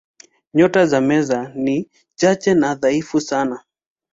Nyota za Meza ni chache na dhaifu sana.